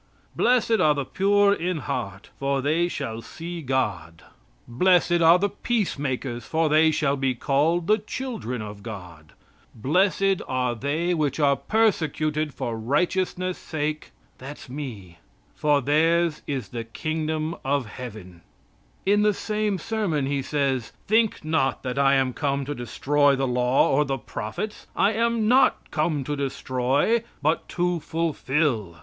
"Blessed are the pure in heart, for they shall see God. Blessed are the peacemakers, for they shall be called the children of God. Blessed are they which are persecuted for righteousness' sake," (that's me, little) "for theirs is the Kingdom of Heaven." In the same sermon he says: "Think not that I am come to destroy the law or the prophets. I am not come to destroy, but to fulfill."